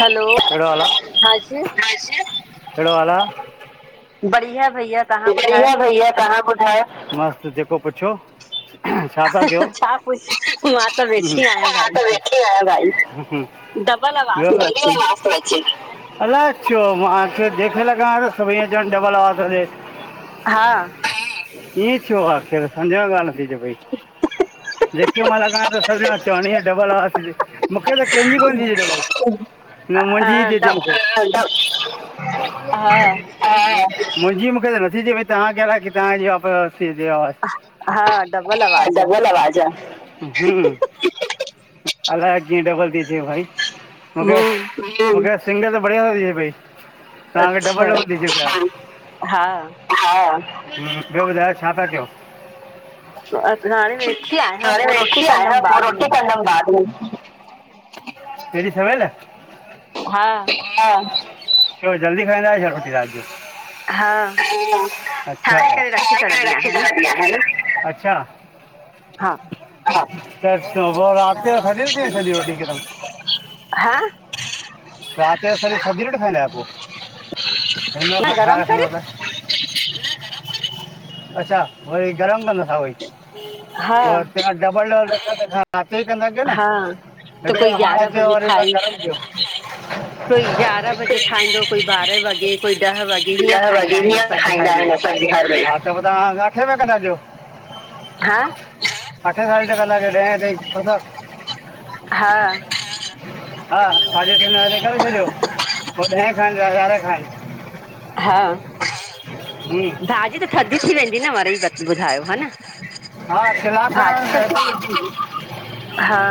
हलो। कहिड़ो हाल आहे हांजी कहिड़ो हाल आहे बढिया आहे भइया। [unintelligible] तव्हां ॿुधयो? मस्त जेको पुछो। छा ता कयो? छा पुछ मां त वेठी आहियां मा भाई त वे कीअ आयो भाई? [unintelligible] डबल आवाज़ थो अचे। डबल तो अच्चे। अलाए छो मां त जेखे लगायां सब इहें च्वन डबल आवाज़ थोॾ अच्चे। हा। ईअं छो आख़िर सम्झ में गाल् न्थी अचे पई। जेकी मा लगाया सब ॼणा चवन हीअ डबल आवज़ ती थे। मूंखे त कंहिंजी कोन थीय [unintelligible] हा ड हा मुंहिंजी मूंखे त नथी चए पई तव्हांखे अलाए किथा आवाज़। हा डबल आवाज़ आ। डबल आवाज आ्। हु अलाए किअ डबल ती अचे भाइ हम्म मूंखे सिंगल त बढ़िया अचे पई, तव्हांखे अच्छा डबल डबल थी अचे पया। हा। हा। ॿियो ॿुधायो छा था कयो? हाणे वेठी आहियां हाणे पो रोटी वेठी आया कंदमि पोइ बाद में। रोटी कंदमि बाद में हेॾी सवेल? हा हा। छो जल्दी खाईंदा आयो छा रोटी रात जो? हा ठिई वयो। अच्छा, अच्छा। ठाहे करे सब रखी ठाहे करे छॾंदी रखी आहियां न। छढडींआया। अच्छा हा त रात जो थी वञे [unintelligible] रात जो हा सॼी थदी रोटी खाईदा आयो पो? थदो सब न ठाहे गरम करे? [unintelligible] अच्छा वरी गरम कंदो? हा [unintelligible] हा त कोई ग्यारह बजे खाई कोई ग्यारह बजे खाईंदो कोई ॿारहें वॻे [unintelligible] कोई ॾ वॼे खाईंन केडिमहिल खाएदा आहिन असांजे घर मे [unintelligible] हा अठे साडे अठे कदा कयो डहें ताई ख़तम। हा। हा हा साॾे अट्ठे खण करे छॾियो पो ॾहे खाईंन याँ यारें खाएन। हा। हमम्। भाॼी त थधी थी वेंदी न वरी ॿुधायो ह न। हा। कलाक़ भाॼी खन मैं त बिलकुल् थिंदी। हा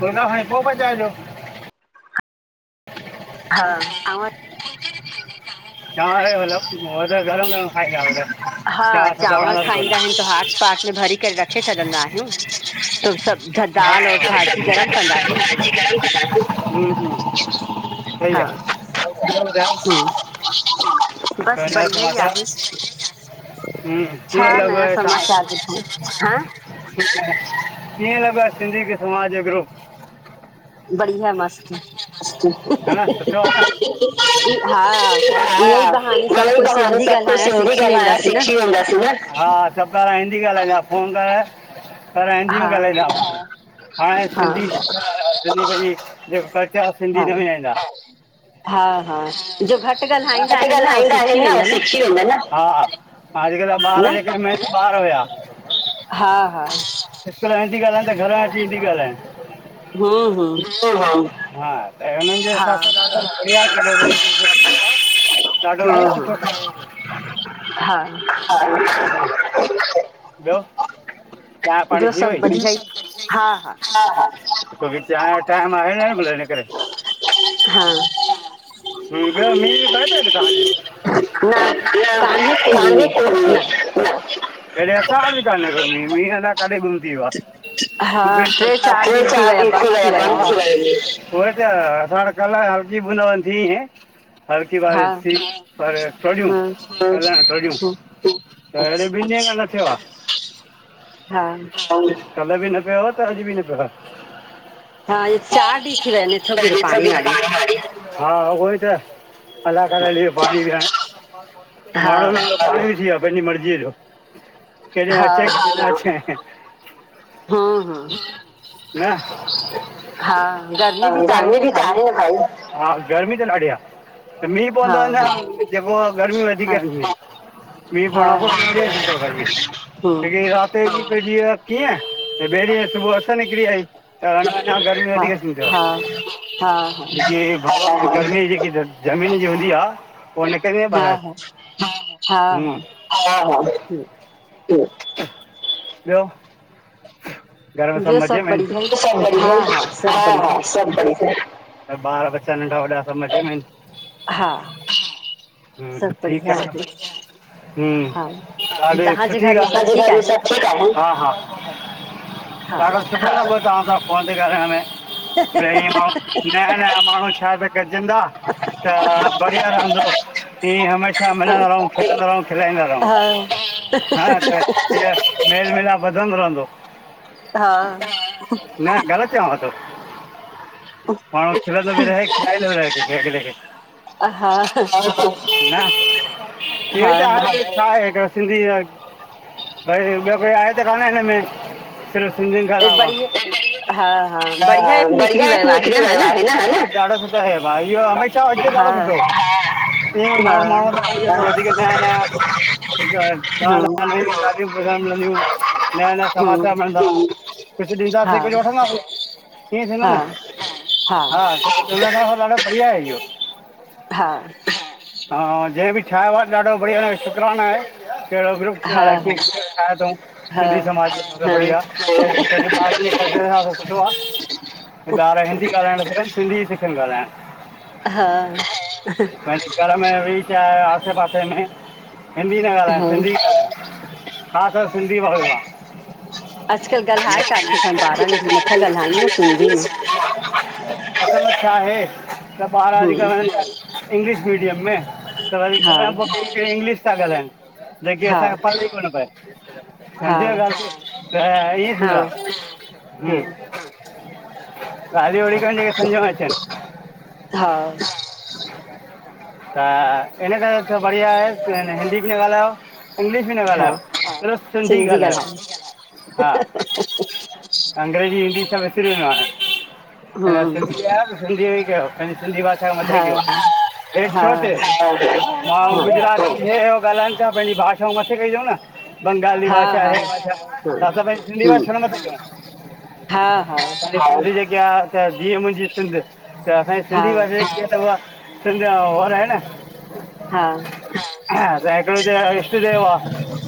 दोडा खणी पो पचाइजो। हा। आवाज़ तव्हां त गरम गरम खाईदा हुदव, हा असां थद्धा चांवर वणन कोन। खाईंदा आहिनि त हाट पाट में भरी करे रखे छॾंदा आहियूं, त सब दाल और भाॼी गरम कंदासीं। हू हू हा हा, बस कोई नया बढ़िया ई समाचार आहे हम्म, छा कीअं लॻो नया आहे समाचार सां- ॿुधयो, हां? कीअं लॻा सिंधी समाज ग्रुप? बढिया मस्त। ह ना सुठो, [unintelligible] आहे ना हा ईअं ई हा बहाने मां सभु ई कोई त, हाणे सिंधी सब कुछु ॻाल्हाइण सिंधी सिखी ॻाल्हाइण वेंदासीं न सिखी वेंदासीं न। सब हिंदी ॻाल्हाइजा फ़ोन कर पहरे हिंदी में हा ॻाल्हाईंदा हाणे हा सिंधी सिंधी पंहिंजी जेको कल्चर सिंधी हा न मिल्हाईंदा। हा हा जो घटि ॻाल्हाईंदा घटि आहिन न उह ॻाल्हाईंदा सिखी वेंदा न। अॼकल ॿार न जेका मेन बार हुया। हा हा स्कूल में हिन्दी ॻाल्हाए त घर में अची हिन्दी ॻाल्हायेन हा हा हा त हुननि जे हिसाब सां ॾाढो बढ़िया छाता हम्म हम्म चाह्यो हा [unintelligible] ॿियो [unintelligible] चाय पाणी ॿियो थी सभु वई? बढ़िया ई हा हा छो कि चाय जो टाइम आहे न भूल हिन करे। हा हम्म, मीं वीं पऐ तो तव्हां जे हिते? न कान्हे को न काने वीमे को न मीं। [inaudible] हेॾे असां उत्ते बि काने को मीं। असांथे भी बंद थी वयो आ, हा टे चारि ॾींहं चार विया ॾिह थी बंदि वयो आ वियो बंद मींहुं थी वयो आ मींह। उई त, असां वट कल हलकी बुंदा हूंदी थी हुई। हलकी हा बारिश थी पर ॾौॾयू हम्म कल न ॾौॾहू हम्म अच्छा ॿिन ॾींहं खां न थियो आहे। हा कले बि न पियो आ त अॼ बि न पयोआ। हा इ चार ॾींहं थी विया आहिनि, न थो गिरे पाणी वाणी। हा उहो ई त। अलाह [inaudible] हा माण्हू थीया पंहिंजी मर्ज़ीअ जो कॾह। अचे त अचे हा, हा। ह, गर्मी बि आहे गर्मी न भी त आहे न भाई। हा, गर्मी त ॾाढी आहे। त मींहुं हा पउंदो आहे हा न जेको गर्मी वधीक हा मी हा पउण खां पो, थींदी आ हम्म गरमी रात उते मीं पेजी वयो, कीअं ॿे ॾींहं सुबुह जो उस निकरी आई। त अना गरमी हा वधीक थीदव, हा हा हा छो की गर्मी जेकी ज़मीन जी हूंदी आ पो इनकरे हा बाहिर हा हा हा हा-हा-हू-हा ॿियो घर में सब ॿियो मज़े सभु में आहिन? बढ़िया हा-हा सब बढ़िया हा हा सब। सभु बढ़िया ॿार ॿच्चा सब नंढा वॾा सब मजे में आहिन? हा। हम्म, सभु बढ़िया ठीकु आ। आहिनि हा हम्म हले तव्हांजे सुठी घर में सभु ठीकु आहिनि ॻाल आ। हा, हा हा। ॾाढो सुठो लॻो तां सां फ़ोन ते ॻालायण में। भ माण्हू नया-नया माण्हू सभई गॼंदा त बढ़िया रहंदो। ईअं हमेशा मिलंदा रहो, खिलंदा रहुं, खिलाईंदा रहुं। ह-ह-ह-ह। त मेल मिलाप वधंदो रहंदो। हा। न ग़लति चवां थो? माण्हू खिलंदो बि रहे खिलाईंदो बि रहे दिले खे हा न। [unintelligible] हा छा आहे हिकिड़ सिंधी, भई ॿियो कोई आहे त कान हिन में सिंधियनि खा हे अलावा। बढ़िया हा हा त बढ़िया एप तम बढ़िया निकिरी एप वियो निकरी न हा वयो आहे न? डाढो सुठो। हे भाई इ हमेशा हुजे त हा डाढो सुठो इ हा हा माण्हू-माण्हू वधीक कां जुड़ंदो त ठ मिलदूं नया-नया हम्म समाचार मिलंदा। कुछ हा ॾींदासीं, कुझु वठंदासीं इअं थींदो हा न हा, ॾाढो बढ़िया आहे इहो हा। हा जंहिं बि ठायो आ, ॾाढो बढ़िया न शुकराना आहे, अहिड़ो ग्रुप हा अलाह कींअ ठायो तउं हा सिंधी समाज में बढिया सुठो आ। ॿार हिंदी ॻाल्हाइण न सिखनि सिंधी सिखनि ॻाल्हाइण हा। पंहिंजे घर में वेई चा आहे, आसे-पासे में हिंदी न ॻाल्हान हा सिंधी ॻाल्हायूं हा असा सिंधी भाऊ आहे अॼुकल्ह ॻाल्हाए काथे था ॿारनि बि नथा ॻाल्हाइनि न सिंधी में [unintelligible] त छा आहे त ॿार हम्म अॼुकल्ह इंग्लिश मीडियम में त वरी हा घर पोइ इंग्लिश था ॻाल्हाइनि, जेकी हा असांखे पले ई कोन पए हा समझो ॻाल त ईअ हा थींदो हा हम ॻाल्ह होड़ी कन हे की समुझ में अच अ हा त इन करे बढ़िया आहे, हिंदी बि न ॻाल्हायो। इंग्लिश बि न हा ॻाल्हायो, सिर्फ सिंधी ॻाल्हायो हा। अंग्रेजी, हिंदी सब विसरी वञो हाणे व हम्म सिंधी आ न सिंधी कयो पेहेन्जी सिंधी भाषा हथ मथे हा कयों हेठ हा हा छो थिए माणु हा गुजरात हे हो ॻाल्हाइनि था पंहिंजी भाषाऊ मथे कईतऊं बंगाली हा भाषा हा हे भाषा ता असां पहिंजी सिंधी हम्म भाषा न हा हा जेके आ त जीअं जीये मुंहिंजी सिंध त असांजी हा सिंधी भाषा कीअं अथव सिंध आ और आहे न हा असांजो इक इष्टदेव आ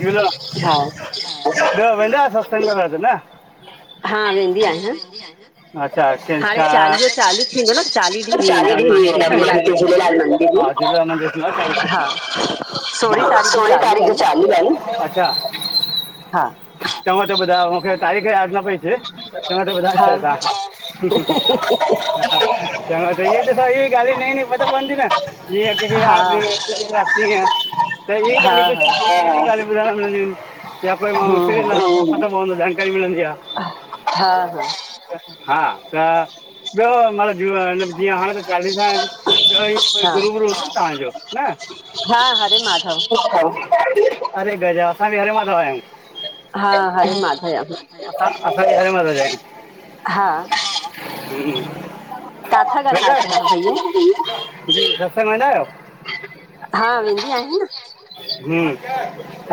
झूलड़ हा ब्यो वेन्दा आयो सस्तंग वग़ैरह ते न हा वेंदी आहियां हाणे चालीहो [unintelligible] चालू थींदो न चालीह ॾींहं बि वेंदमि चालियूं मां हिते ॾियां आ मंदिर झूलेलाल मंदिर में हा झूलेलाल मंदिर थींदो आ चालियों हा हिते सोरहीं त तारीख़ जो सोरिह चालू तारीख़ आहे जो न चालू आहिन। अच्छा हा चंगो थो ॿुधायो मूंखे तारीख़ याद न प ई थे चंगो थ्यो ॿुधाय हा छयो तां। चगो त त ॾिसो इयं गाल्हियूं न ई न उ पतो पहीन हा न हा हा [unintelligible] त हम्म हम्म जानकारी मिलंदी हा हा हा त ॿियो मतिलब जीअं हाणे त चालीहो हा गुरु शुरू अथव तांजो न हा हरे माता अरे गजा असां बि हरे मथा आया आहियूं। हा हरे माधव असां असां भी हरे माता जा आहियूं। हा [inaudible] किथां जी वेंदा ॻाल्हायो था तव्हां भईया आहियो सत्संग वेंदा आहियो? हा वेंदी आहियां न हूं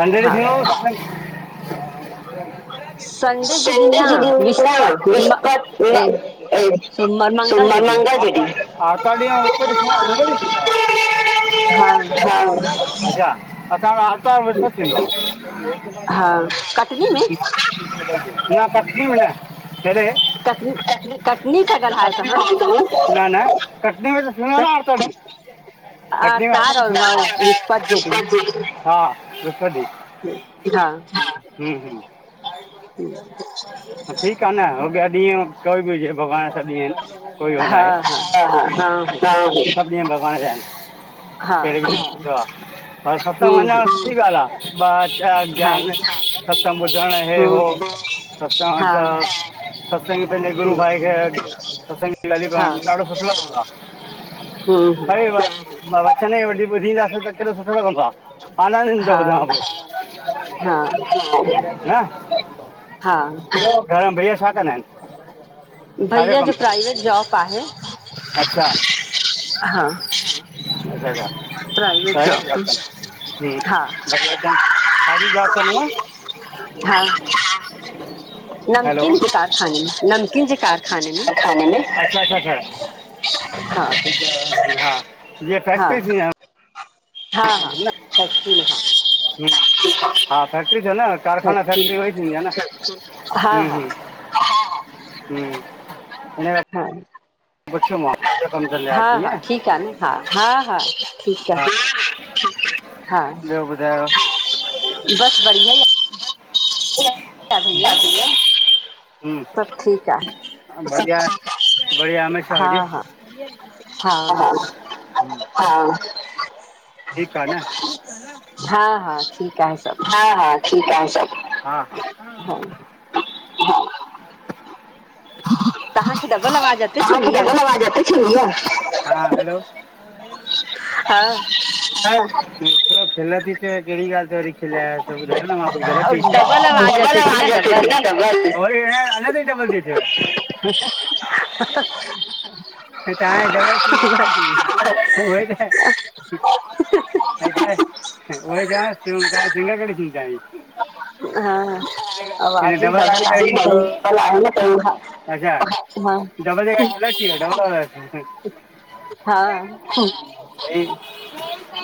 संडे ॾिय हा थींदो हुंदो सत्संग? जे ॾींहुं संडे जी ॾिय न न विस्पति म विस्पत ए सूमर [unintelligible] मंगल जे ॾींहुं हा हा अच्छा असां आतवार विस्पत हा कटनी में थीधोआ। [unintelligible] [inaudible] सां ॻाल्हायो तव्हां न न कटनी में त थींदो आहे नआतवार ॾिह। कटनी [unintelligible] हा आर्तवार और हा विस्पति जे ॾींहुं विस्पत हा ॾीह हिं ठीक आ न अॻियां ॾींहं कोई बि हुजे भॻवान जा ॾींहं आहिन। कोई हो न हा आहे। हा हा [unintelligible] सभ ॾींहं भॻवान जा आहिनि हा कहिड़ी आहे पर सतंग हम्म हम्म वञण सुठी ॻाल्हि आ। बाचार हा ज्ञान खत्म ॿुधणु हे हम्म हो हम्म सभ हा त सभ संग पहले गुरू हम्म भाई खे। सत्संग जी ॻाल्यु हा करण ॾाढो सुठो लॻदो आ। हम्म हम्म ॿ वचन ई वठी ॿुधींदासीं त केॾो सुठो लॻंदो आ, आनंद इंदो हा ॿुधण में, हा न। हा घर में भैया छा कंदा आहिनि? भईया जो छाजो प्राइवेट जॉब आहे कम तनि? अच्छा, हा अ [unintelligible] प्राइवेट हॼ जॉब ज हा च न [inaudible] हा, नमकीन जे कारखाने में, नमकीन जे कार अच्छा- अच्छा -अच्छा। हा हा जीअं हा फैक्ट्री थी हा -हा, फैक्ट्री हा। हम हा [inaudible] फैक्टरी त न कारखाना फैक्ट्री फैक्टरी उवई थींदी आ हा हा न, हम [inaudible] हा [inaudible] पूछो मां, कंदे आहे हा-हा कीअं ठीकु आ न, हा- हा- हा ठीकु आ। हा हा ॿियो बस बढ़िया ई ह आहे भईया थी [unintelligible] हुं सभु ठीकु आहे बढिया-बढिया, े श हु हा जी हा हा हा [unintelligible] ठीक आ न, हा -हा, ठीकु आ सभु। हा -हा ठीकु आ सब। हा [inaudible] [unintelligible] तवांखे डबल आवाज अच तहांखे डबल आवाज अचे थी या हा। एतिरो खिल्ल थी चे, कहिड़ी ॻाल्हि डबल आवाज़ अचे थी न डबल रीी [unintelligible] बजी [unintelligible] हे त ज [unintelligible] उ संगा पड़ी चं [inaudible] हा। हिन आवाज ई वारी डबल आहे कहिड़ी न, पहिं डबल आहे न हा। त अच्छा हा डबल डबल [unintelligible] हा स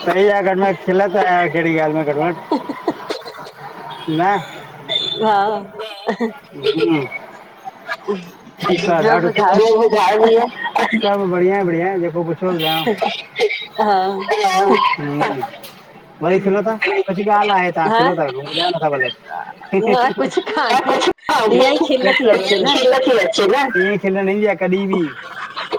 सही आहे, गटमट खिल त आयव कहिड़ी ॻाल में गटमट। [unintelligible] न, हा। हम्म ह ह [unintelligible] ॾढो, सब बढ़िया बढ़िया, जेको कुझ [unintelligible] ह हा ज [unintelligible] [inaudible] वरी खिलो ता, हीअ सच्ची ॻाल आहे, तां हा खिलो ता रुॻो। [unintelligible] न कुझु कान्हे ईअं ई खिल थी अचे न चर्या इय खिल न ईंदी आ कॾहिं बि।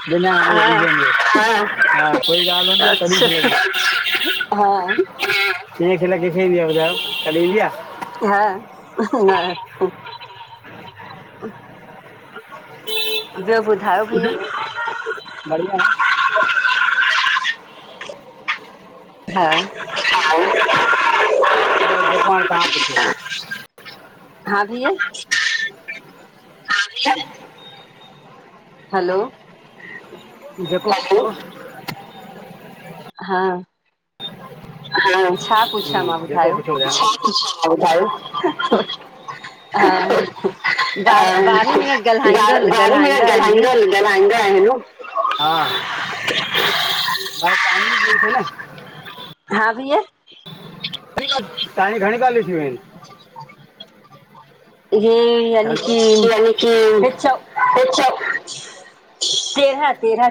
बिना हाण हा रीज़न जे हा कोई ॻाल हूंदी आहे तॾहिं अच्छा खिल्ल इंदी आ। हा इंअ खेिल केंखे इंदी आ ॿुधायो कॾि इंदी आ। हा हा [inaudible] ॿियो ॿुधायो? भईया बढ़िया हा [unintelligible] हा भैया [unintelligible] हलो जेको [unintelligible] हा छा पुछां मां ॿुधायो [inaudible] हा ॿार [unintelligible] ॿारहें मिनट ॻाल्हाईंदा ॻाल्हाईंदा आहिनि [unintelligible] [unintelligible] अभी है। तव्हांजो घणी साले जी आहिन? ये [unintelligible] तेरहां तेरहां